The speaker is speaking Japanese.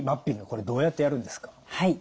これどうやってやるんですか？